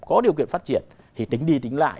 có điều kiện phát triển thì tính đi tính lại